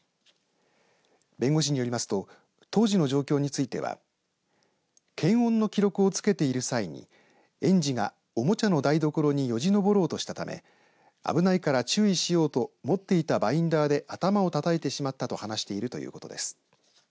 弁護士によりますと当時の状況については検温の記録をつけている際に園児がおもちゃの台所によじ登ろうとしたため危ないから注意しようと持っていたバインダーで頭をたたいてしまったと話しているということです。